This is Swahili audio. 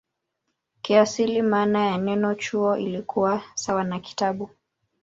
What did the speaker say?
Kiasili maana ya neno "chuo" ilikuwa sawa na "kitabu".